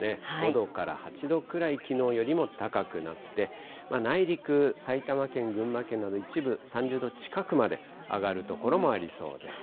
５度から８度くらい、きのうよりも高くなって、内陸、埼玉県、群馬県など一部、３０度近くまで上がる所もありそうです。